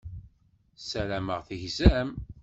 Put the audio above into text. Ssarameɣ tegzam.